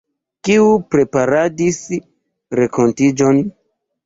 Kiu preparadis renkontiĝon?